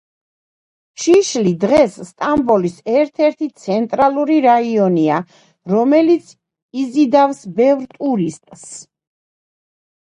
შიშლი დღეს სტამბოლის ერთ-ერთი ცენტრალური რაიონია, რომელიც იზიდავს ბევრ ტურისტს.